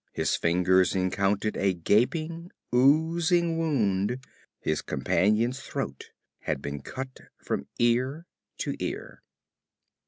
His fingers encountered a gaping, oozing wound his companion's throat had been cut from ear to ear.